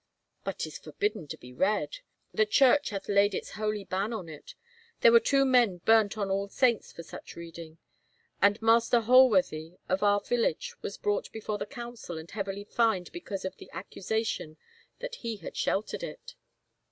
" But 'tis forbidden to be read. The Church hath laid its holy ban on it. There were two men burnt on All Saints for such reading — and Master Holworthy of our village was brought before the Council and heavily fined because of the accusation that he had sheltered it."